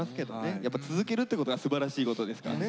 やっぱ続けるってことがすばらしいことですからね。